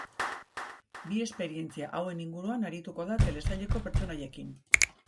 Bi esperientzia hauen inguruan arituko da telesaileko pertsonaiekin.